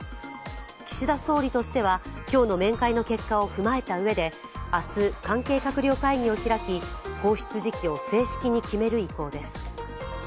岸田総理としては、今日の面会の結果を踏まえたうえで明日、関係閣僚会議を開き放出時期を正式に決める意向です。